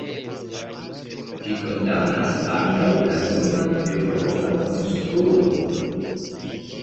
Ĝi kondamnas ankaŭ la nunan eŭropan konstruon.